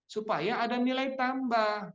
supaya ada nilai tambah